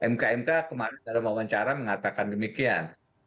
mk mk kemarin dalam wawancara mengatakan demikian